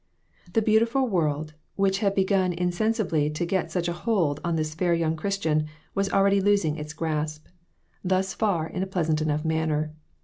The beautiful world, which had begun insensibly to get such a hold on this fair young Christian, was already losing its grasp thus far in a pleasant enough manner.